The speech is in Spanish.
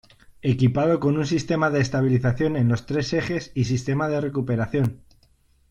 Equipado con un sistema de estabilización en los tres ejes y sistema de recuperación.